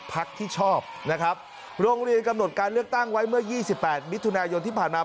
พักที่ชอบนะครับโรงเรียนกำหนดการเลือกตั้งไว้เมื่อ๒๘มิถุนายนที่ผ่านมา